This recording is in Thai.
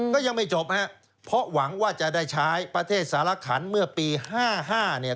ก็ยังไม่จบฮะเพราะหวังว่าจะได้ใช้ประเทศสารขันเมื่อปี๕๕เนี่ย